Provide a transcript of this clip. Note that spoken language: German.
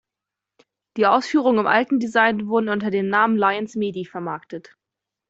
Die Ausführungen im alten Design wurden unter dem Namen "Lion’s Midi" vermarktet.